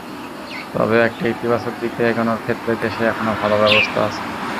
তবে একটা ইতিবাচক দিকে এগোনোর ক্ষেত্রে দেশে এখনো ভালো অবস্থা আছে।